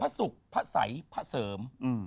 สุขพระสัยพระเสริม